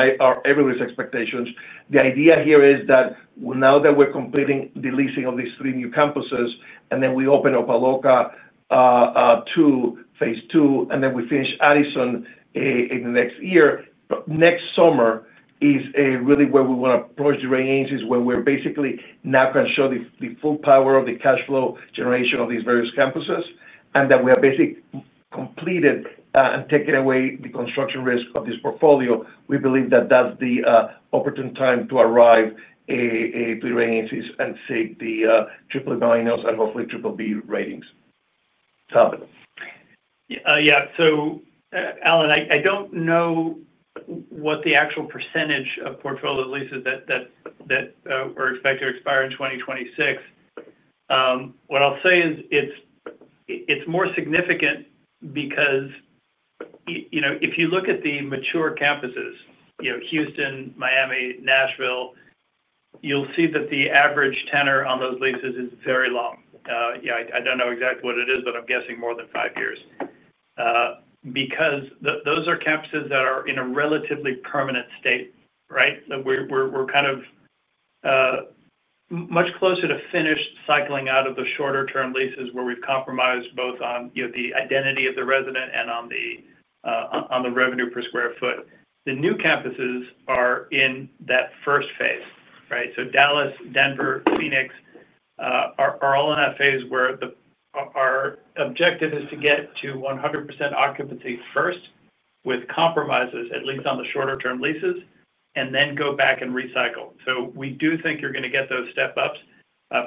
everybody's expectations. The idea here is that now that we're completing the leasing of these three new campuses, and then we open up Opa-Locka to phase 2, and then we finish Addison in the next year, next summer is really where we want to approach the ratings, is when we're basically now going to show the full power of the cash flow generation of these various campuses, and that we have basically completed and taken away the construction risk of this portfolio. We believe that that's the opportune time to arrive to the ratings and seek the triple B minus and hopefully triple B ratings. Tal? Yeah. Alan, I don't know what the actual percentage of portfolio leases that we're expected to expire in 2026. What I'll say is it's more significant because if you look at the mature campuses, Houston, Miami, Nashville, you'll see that the average tenor on those leases is very long. Yeah, I don't know exactly what it is, but I'm guessing more than five years because those are campuses that are in a relatively permanent state, right? We're kind of much closer to finished cycling out of the shorter-term leases where we've compromised both on the identity of the resident and on the revenue per sq ft. The new campuses are in that first phase, right? Dallas, Denver, Phoenix are all in that phase where our objective is to get to 100% occupancy first with compromises, at least on the shorter-term leases, and then go back and recycle. We do think you're going to get those step-ups,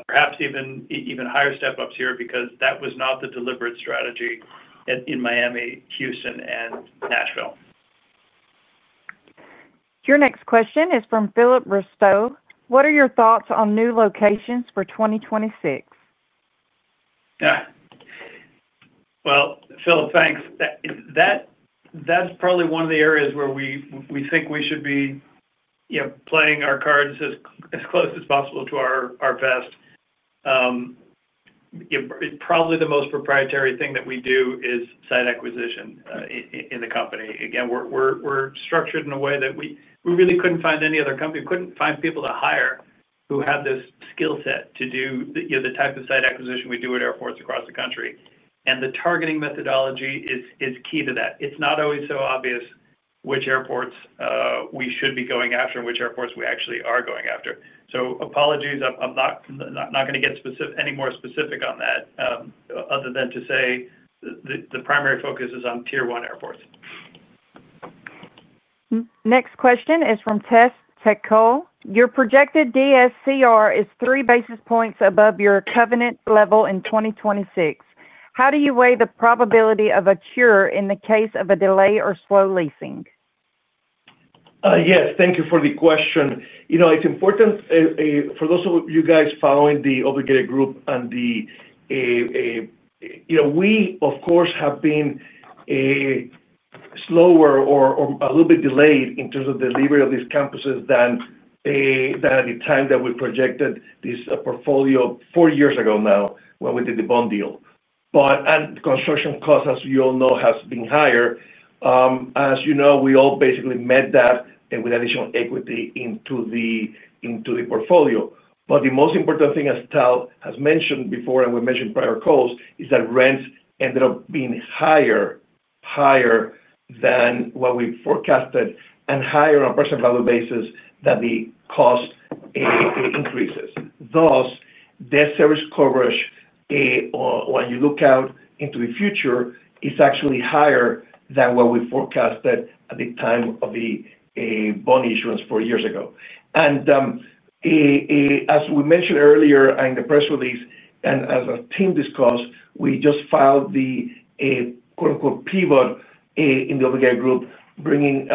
perhaps even higher step-ups here because that was not the deliberate strategy in Miami, Houston, and Nashville. Your next question is from Philip Ristow. What are your thoughts on new locations for 2026? Philip, thanks. That's probably one of the areas where we think we should be playing our cards as close as possible to our vest. Probably the most proprietary thing that we do is site acquisition in the company. Again, we're structured in a way that we really couldn't find any other company, couldn't find people to hire who have this skill set to do the type of site acquisition we do at airports across the country. The targeting methodology is key to that. It's not always so obvious which airports we should be going after and which airports we actually are going after. Apologies, I'm not going to get any more specific on that other than to say the primary focus is on tier one airports. Next question is from Tess Tekol. Your projected DSCR is three basis points above your covenant level in 2026. How do you weigh the probability of a cure in the case of a delay or slow leasing? Yes. Thank you for the question. It's important for those of you guys following the obligated group and we, of course, have been slower or a little bit delayed in terms of delivery of these campuses than at the time that we projected this portfolio four years ago now when we did the bond deal. Construction costs, as you all know, have been higher. As you know, we all basically met that with additional equity into the portfolio. The most important thing, as Tal has mentioned before and we mentioned prior calls, is that rents ended up being higher than what we forecasted and higher on a % value basis than the cost increases. Thus, debt service coverage, when you look out into the future, is actually higher than what we forecasted at the time of the bond issuance four years ago. As we mentioned earlier in the press release and as our team discussed, we just filed the "pivot" in the obligated group, bringing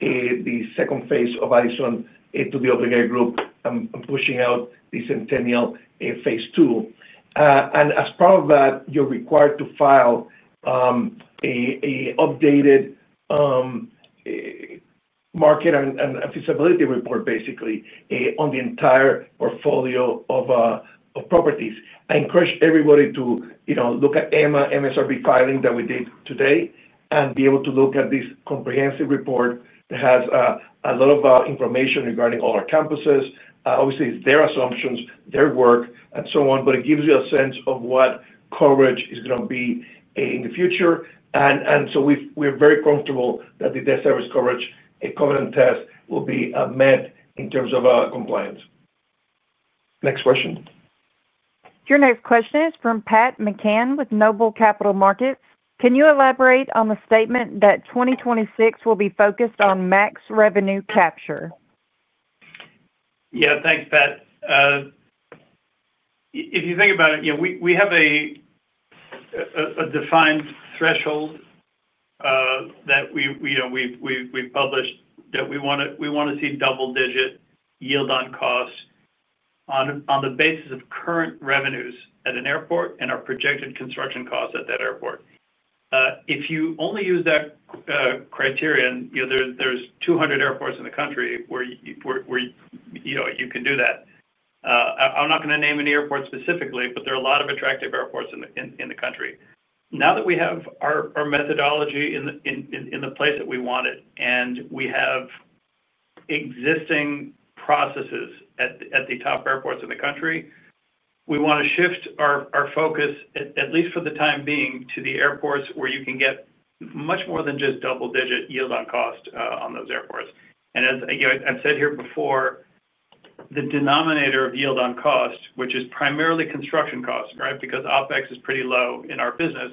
the second phase of Addison into the obligated group and pushing out the Centennial phase 2. As part of that, you're required to file an updated market and feasibility report, basically, on the entire portfolio of properties. I encourage everybody to look at the MSRP filing that we did today and be able to look at this comprehensive report that has a lot of information regarding all our campuses. Obviously, it's their assumptions, their work, and so on, but it gives you a sense of what coverage is going to be in the future. We're very comfortable that the debt service coverage covenant test will be met in terms of compliance. Next question. Your next question is from Pat McCann with Noble Capital Markets. Can you elaborate on the statement that 2026 will be focused on max revenue capture? Yeah. Thanks, Pat. If you think about it, we have a defined threshold that we've published that we want to see double-digit yield on costs on the basis of current revenues at an airport and our projected construction costs at that airport. If you only use that criterion, there are 200 airports in the country where you can do that. I'm not going to name any airports specifically, but there are a lot of attractive airports in the country. Now that we have our methodology in the place that we want it and we have existing processes at the top airports in the country, we want to shift our focus, at least for the time being, to the airports where you can get much more than just double-digit yield on cost on those airports. As I've said here before, the denominator of yield on cost, which is primarily construction cost, right, because OPEX is pretty low in our business,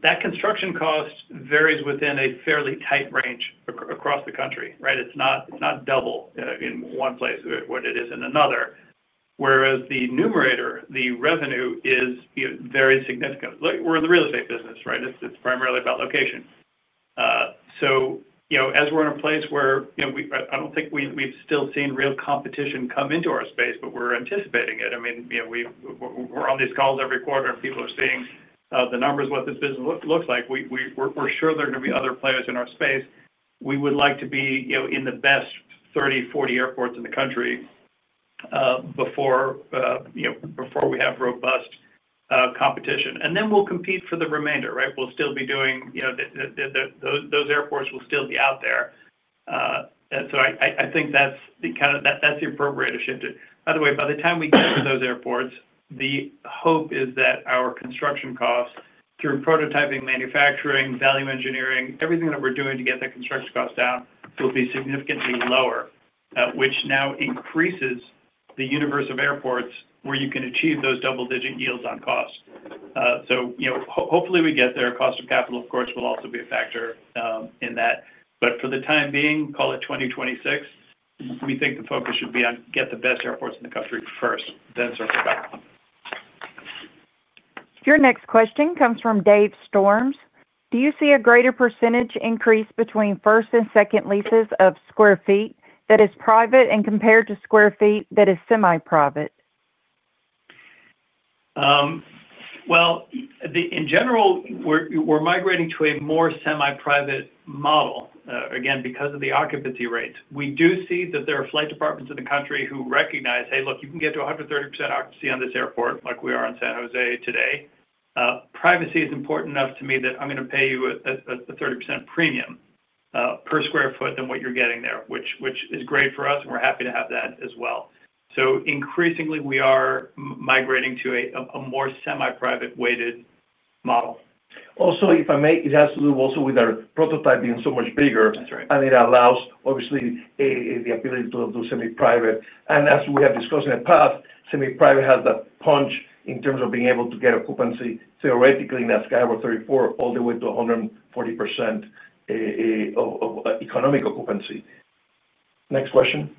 that construction cost varies within a fairly tight range across the country, right? It's not double in one place what it is in another, whereas the numerator, the revenue, is very significant. We're in the real estate business, right? It's primarily about location. As we're in a place where I don't think we've still seen real competition come into our space, but we're anticipating it. I mean, we're on these calls every quarter, and people are seeing the numbers of what this business looks like. We're sure there are going to be other players in our space. We would like to be in the best 30-40 airports in the country before we have robust competition. We'll compete for the remainder, right? We'll still be doing those airports, will still be out there. I think that's the appropriate shift. By the way, by the time we get to those airports, the hope is that our construction costs through prototyping, manufacturing, value engineering, everything that we're doing to get that construction cost down will be significantly lower, which now increases the universe of airports where you can achieve those double-digit yields on cost. Hopefully we get there. Cost of capital, of course, will also be a factor in that. For the time being, call it 2026, we think the focus should be on getting the best airports in the country first, then circle back. Your next question comes from Dave Storms. Do you see a greater percentage increase between first and second leases of sq ft that is private and compared to sq ft that is semi-private? In general, we're migrating to a more semi-private model, again, because of the occupancy rates. We do see that there are flight departments in the country who recognize, "Hey, look, you can get to 130% occupancy on this airport like we are on San Jose today." Privacy is important enough to me that I'm going to pay you a 30% premium per square foot than what you're getting there, which is great for us, and we're happy to have that as well. Increasingly, we are migrating to a more semi-private weighted model. Also, if I may, it has to do also with our prototyping so much bigger. And it allows, obviously, the ability to do semi-private. And as we have discussed in the past, semi-private has the punch in terms of being able to get occupancy theoretically in that Sky Harbour 34 all the way to 140% of economic occupancy. Next question.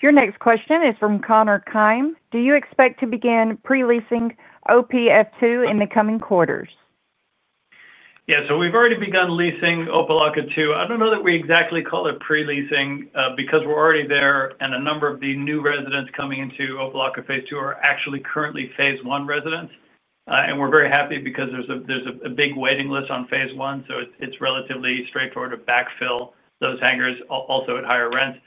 Your next question is from Connor Keim. Do you expect to begin pre-leasing OPF2 in the coming quarters? Yeah. So we've already begun leasing Opa-Locka 2. I don't know that we exactly call it pre-leasing because we're already there, and a number of the new residents coming into Opa-Locka phase 2 are actually currently phase 1 residents. We're very happy because there's a big waiting list on phase 1, so it's relatively straightforward to backfill those hangars also at higher rents.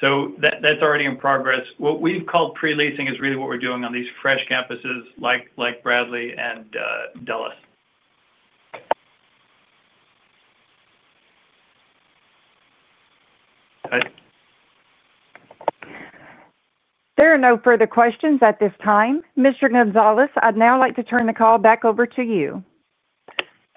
That's already in progress. What we've called pre-leasing is really what we're doing on these fresh campuses like Bradley and Dulles. There are no further questions at this time. Mr. Gonzalez, I'd now like to turn the call back over to you.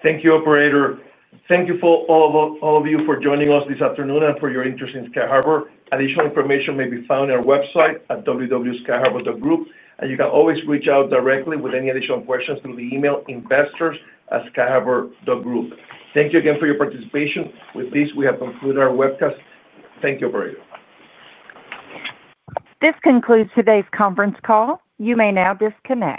Thank you, Operator. Thank you to all of you for joining us this afternoon and for your interest in Sky Harbour. Additional information may be found on our website at www.skyharbor.group. You can always reach out directly with any additional questions through the email investors@skyharbor.group. Thank you again for your participation. With this, we have concluded our webcast. Thank you, Operator. This concludes today's conference call. You may now disconnect.